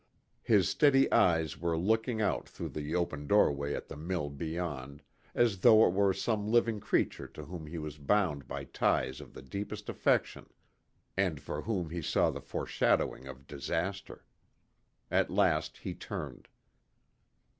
His steady eyes were looking out through the open doorway at the mill beyond, as though it were some living creature to whom he was bound by ties of the deepest affection, and for whom he saw the foreshadowing of disaster. At last he turned.